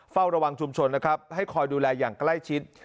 เฝ้าระวังชุมชนนะครับให้คอยดูแลอย่างใกล้ชิด